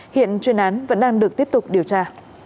hiện chuyên án vẫn đang được tiếp tục điều tra